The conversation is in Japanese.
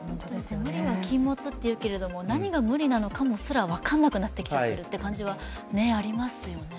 無理は禁物というけれども、何が無理なのかが分からなくなってきているということはありますよね。